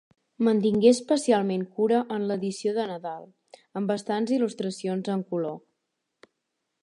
Mantingué especialment cura en l'edició de nadal, amb bastants il·lustracions en color.